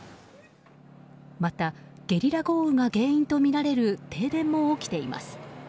またゲリラ豪雨が原因とみられる停電も起きています。